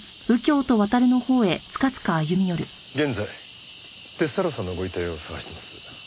現在鐵太郎さんのご遺体を捜しています。